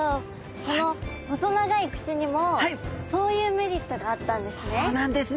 その細長い口にもそういうメリットがあったんですね。